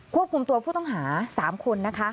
ควบคุมตัวผู้ต้องหา๓คนนะคะ